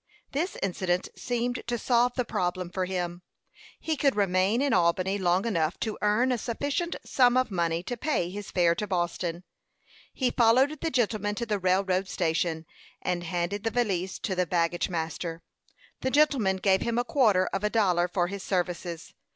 This incident seemed to solve the problem for him. He could remain in Albany long enough to earn a sufficient sum of money to pay his fare to Boston. He followed the gentleman to the railroad station, and handed the valise to the baggage master. The gentleman gave him a quarter of a dollar for his services.